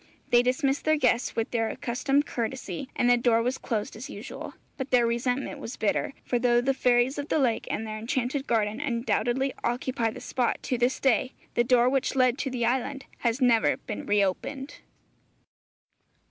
They dismissed their guests with their accustomed courtesy, and the door was closed as usual. But their resentment was bitter; for though the fairies of the lake and their enchanted garden undoubtedly occupy the spot to this day, the door which led to the island has never been reopened.